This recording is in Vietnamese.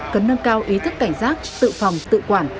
cần nâng cao ý thức cảnh giác tự phòng tự quản